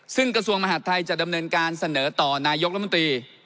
ซึ่งกระทรวงมหาดไทยจะดำเนินการเสนอต่อนายกรัฐมนตรี